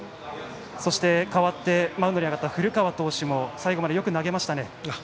そして、代わってマウンドに上がった古川投手も最後までよく投げました。